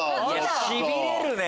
しびれるね！